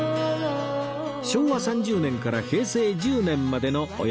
昭和３０年から平成１０年までのおよそ４０年間